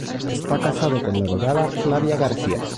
Está casado con la abogada Flavia García.